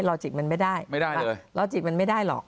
หรอกล็อจิกมันไม่ได้หรอก